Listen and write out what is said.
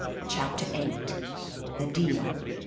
CHAPTER VIII. THE DEAL.